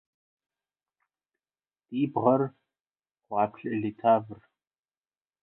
Грудь наша – медь литавр.